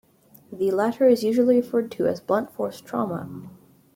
The latter is usually referred to as blunt force trauma.